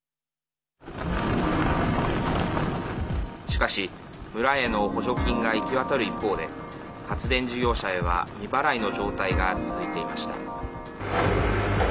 しかし、村への補助金が行き渡る一方で発電事業者へは未払いの状態が続いていました。